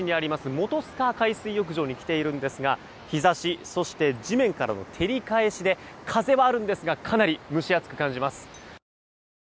本須賀海水浴場に来てるんですが日差し、そして地面からの照り返しで風はあるんですがかなり蒸し暑く感じます。